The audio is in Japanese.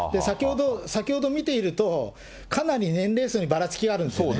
先ほど見ていると、かなり年齢層にばらつきがあるんですね。